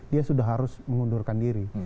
dia sudah harus mengundurkan diri